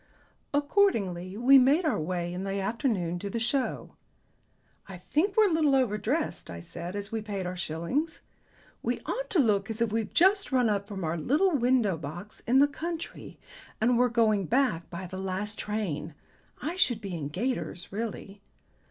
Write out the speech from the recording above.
Accordingly we made our way in the afternoon to the Show. "I think we're a little over dressed," I said as we paid our shillings. "We ought to look as if we'd just run up from our little window box in the country and were going back by the last train. I should be in gaiters, really."